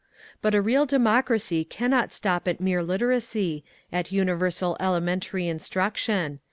But a real democracy cannot stop at mere literacy, at universal elementary instruction.